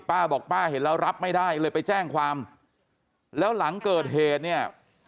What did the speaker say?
ป้าบอกป้าเห็นแล้วรับไม่ได้เลยไปแจ้งความแล้วหลังเกิดเหตุเนี่ย